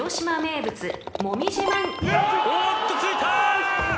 おっとついた！